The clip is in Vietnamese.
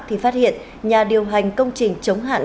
thì phát hiện nhà điều hành công trình chống hạn